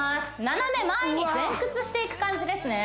斜め前に前屈していく感じですね